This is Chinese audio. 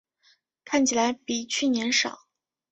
看起来比去年少